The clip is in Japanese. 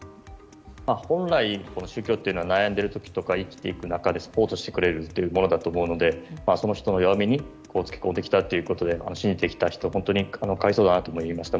本来、この宗教というのは悩んでいる時とか生きていく中でサポートしてくれるものだと思うのでその人の弱みにつけ込んできたということで信じてきた人は可哀想だなと思いました。